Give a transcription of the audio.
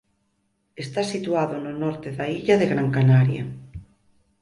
Está situado no norte da illa de Gran Canaria.